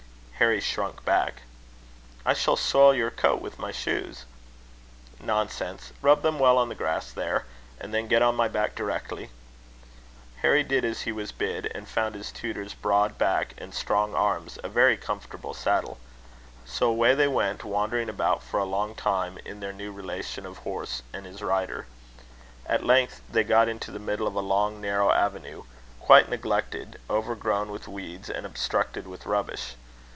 Harry shrunk back. "I shall spoil your coat with my shoes." "Nonsense! Rub them well on the grass there. And then get on my back directly." Harry did as he was bid, and found his tutor's broad back and strong arms a very comfortable saddle. So away they went, wandering about for a long time, in their new relation of horse and his rider. At length they got into the middle of a long narrow avenue, quite neglected, overgrown with weeds, and obstructed with rubbish.